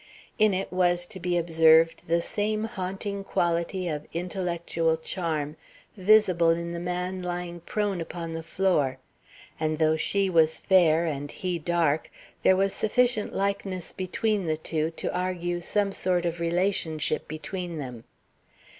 In it was to be observed the same haunting quality of intellectual charm visible in the man lying prone upon the floor, and though she was fair and he dark, there was sufficient likeness between the two to argue some sort of relationship between them.